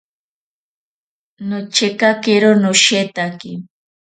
Nochekakero noshetaki.